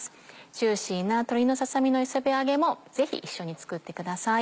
ジューシーな鶏のささ身の磯辺揚げもぜひ一緒に作ってください。